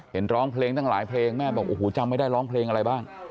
ร้องเพลงตั้งหลายเพลงแม่บอกโอ้โหจำไม่ได้ร้องเพลงอะไรบ้าง